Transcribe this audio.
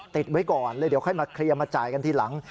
ติดไว้ก่อนเลยเดี๋ยวค่อยมาเคลียร์มาจ่ายกันทีหลัง